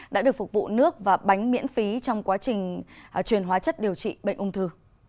đã được phục vụ nước và bánh miễn phí trong quá trình truyền hóa chất điều trị bệnh ung thư